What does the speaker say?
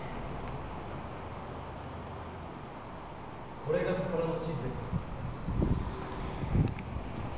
これが宝の地図ですか。